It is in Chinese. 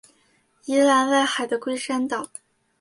宜兰外海的龟山岛